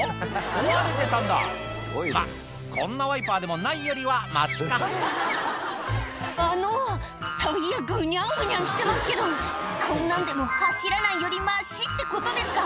壊れてたんだまっこんなワイパーでもないよりはマシかあのタイヤぐにゃんぐにゃんしてますけどこんなんでも走らないよりマシってことですか？